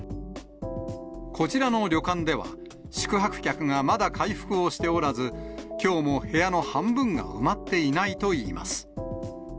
こちらの旅館では、宿泊客がまだ回復をしておらず、きょうも部屋の半分が埋まっていないといいます。